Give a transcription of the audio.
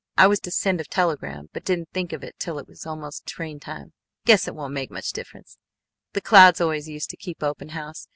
I was to send a telegram, but didn't think of it till it was almost train time. Guess it won't make much difference. The Clouds always used to keep open house.